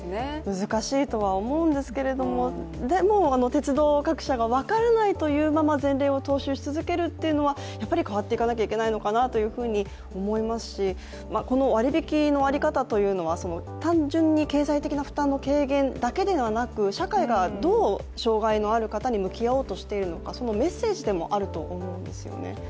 難しいとは思うんですけれども、鉄道各社が分からないというまま前例を踏襲し続けるというのはやっぱり変わっていかなきゃいけないのかなというふうに思いますしこの割り引きの在り方というのは単純に経済的な負担の軽減だけではなく、社会がどう障害のある方に向き合おうとしているのかそのメッセージでもあると思うんですよね。